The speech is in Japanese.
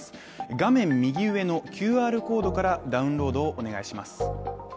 画面右上のＱＲコードからダウンロードをお願いします。